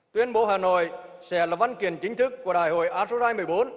tuyên bố hà nội sẽ là văn kiện chính thức của đại hội asosai một mươi bốn